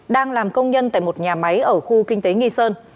đang làm công nhân tại một nhà máy ở khu kinh tế nghi sơn